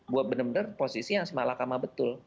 gue benar benar posisi yang si malakama betul